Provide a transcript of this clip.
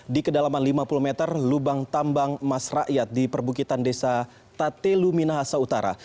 di kedalaman lima puluh meter lubang tambang emas rakyat di perbukitan desa tatelu minahasa utara